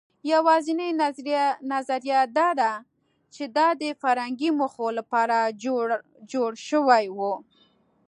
یواځینۍ نظریه دا ده، چې دا د فرهنګي موخو لپاره جوړ شوي وو.